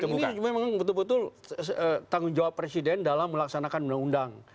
ya mungkin memang betul betul tanggung jawab presiden dalam melaksanakan undang undang